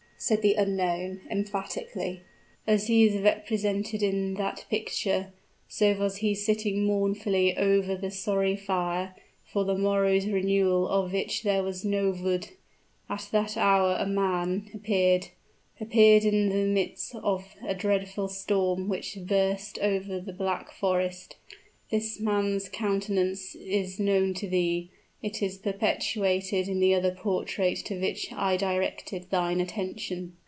said the unknown, emphatically. "As he is represented in that picture, so was he sitting mournfully over the sorry fire, for the morrow's renewal of which there was no wood! At that hour a man appeared appeared in the midst of the dreadful storm which burst over the Black Forest. This man's countenance is now known to thee; it is perpetuated in the other portrait to which I directed thine attention."